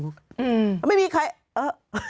อืมมันไม่มีใครเออ